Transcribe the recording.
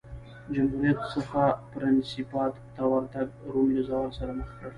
جمهوریت څخه پرنسیپات ته ورتګ روم له زوال سره مخ کړ